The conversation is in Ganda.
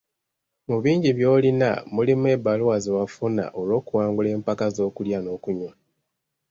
Mu bingi by’olina mulimu ebbaluwa ze wafuna olw’okuwangula empaka z’okulya n’okunywa.